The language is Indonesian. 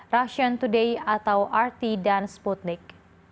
russion today atau rt dan sputnik